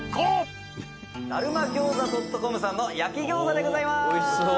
「だるま餃子．ｃｏｍさんの焼き餃子でございます！」